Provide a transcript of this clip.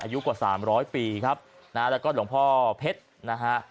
อายุกว่า๓๐๐ปีครับแล้วก็หลวงพ่อเพชรนะฮะ